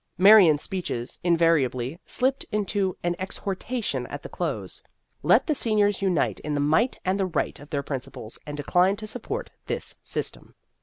Marion's speeches invariably slipped into an exhortation at the close. Let the seniors unite in the might and the right of their principles, and decline to support this " system."